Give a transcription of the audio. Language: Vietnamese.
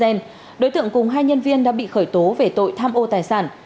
trên đối tượng cùng hai nhân viên đã bị khởi tố về tội tham ô tài sản